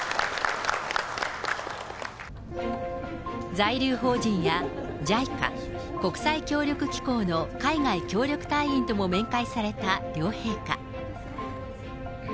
在留邦人や、ＪＩＣＡ・国際協力機構の海外協力隊員とも面会された両陛下。